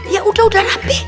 yaudah udah rapi